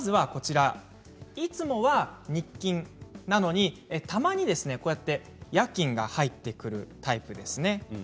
いつもは日勤なのにたまに夜勤が入ってくるタイプですね。